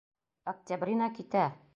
Октябрина китә.